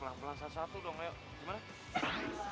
pelan pelan satu satu dong ayo gimana